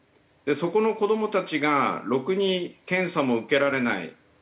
そこの子どもたちがろくに検査も受けられない。